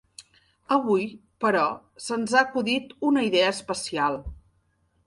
Avui, però, se'ns ha acudit una idea especial.